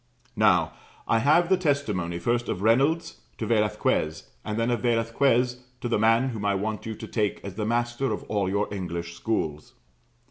Now, I have the testimony, first of Reynolds to Velasquez, and then of Velasquez to the man whom I want you to take as the master of all your English schools.